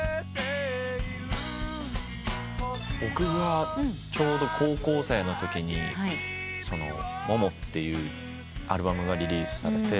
僕がちょうど高校生のときに『百々』っていうアルバムがリリースされて。